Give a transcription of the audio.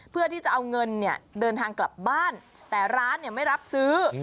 เพื่อที่จะเอาเงินเนี่ยเดินทางกลับบ้านแต่ร้านไม่รับซื้อ